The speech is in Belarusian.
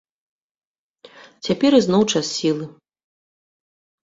Цяпер ізноў час сілы.